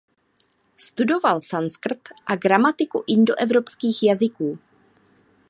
Studoval sanskrt a gramatiku indoevropských jazyků.